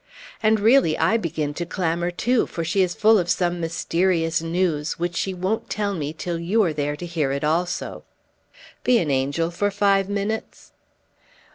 And really I begin to clamor too; for she is full of some mysterious news, which she won't tell me till you are there to hear it also. Be an angel, for five minutes!"